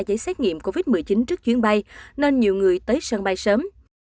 giấy xét nghiệm covid một mươi chín trước chuyến bay nên nhiều người tới sân bay sớm